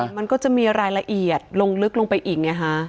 มันก็จะมีรายละเอียดลงลึกลงไปอีกไงฮะ